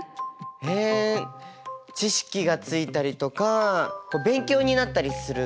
えっ知識がついたりとか勉強になったりすると思います。